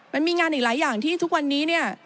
มันมีงานอีกหลายอย่างที่ทุกวันนี้เนี่ย